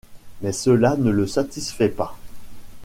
Mais cela ne le satisfait pas.